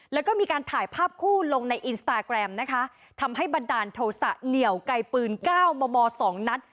แล้วก็มีการถ่ายภาพคู่ลงในอินสตาแกรมนะคะทำให้บันดาลโทษะเหนี่ยวไกลปืนเก้ามม๒นัด